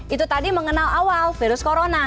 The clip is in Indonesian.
itu tadi mengenal awal virus corona